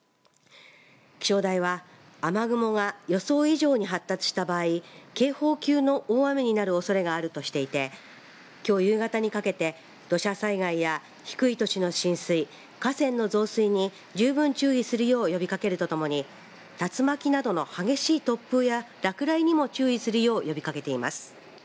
気象台は雨雲が予想以上に発達した場合警報級の大雨になるおそれがあるとしていてきょう夕方にかけて土砂災害や低い土地の浸水、河川の増水に十分注意するよう呼びかけるとともに竜巻などの激しい突風や落雷にも注意するよう呼びかけています。